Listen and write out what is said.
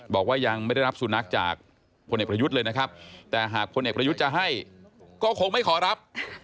บอกว่ายังไม่ได้รับสุนัขจากพลเอกประยุทธ์เลยนะครับแต่หากพลเอกประยุทธ์จะให้ก็คงไม่ขอรับ